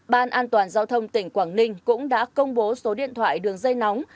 ban an toàn giao thông tỉnh quảng ninh cũng đã công bố số điện thoại đường dây nóng